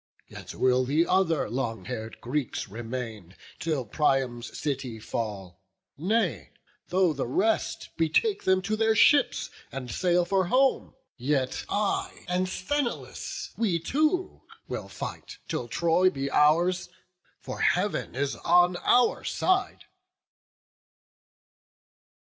Yet will the other long hair'd Greeks remain Till Priam's city fall: nay, though the rest Betake them to their ships, and sail for home, Yet I and Sthenelus, we two, will fight Till Troy be ours; for Heav'n is on our side."